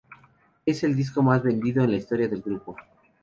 Es el disco más vendido en la historia del grupo.